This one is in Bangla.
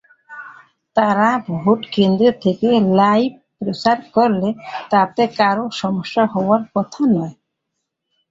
তাঁরা ভোটকেন্দ্র থেকে লাইভ প্রচার করলে তাতে কারও সমস্যা হওয়ার কথা নয়।